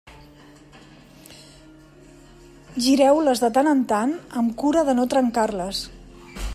Gireu-les de tant en tant amb cura de no trencar-les.